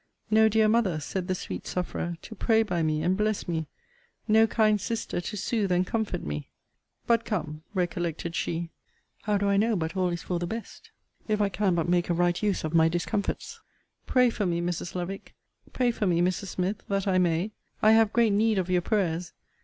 No dear mother, said the sweet sufferer, to pray by me and bless me! No kind sister to sooth and comfort me! But come, recollected she, how do I know but all is for the best if I can but make a right use of my discomforts? Pray for me, Mrs. Lovick pray for me, Mrs. Smith, that I may I have great need of your prayers.